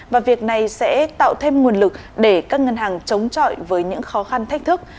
và việc này sẽ tạo thêm nguồn lực để các ngân hàng chống chọi với những khó khăn thách thức